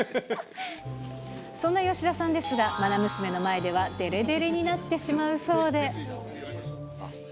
そんな吉田さんですが、まな娘の前ではでれでれになってしまうそうで。